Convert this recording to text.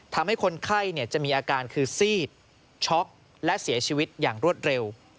ทำให้คนไข้จะมีอาการคือซีดช็อกและเสียชีวิตอย่างรวดเร็ว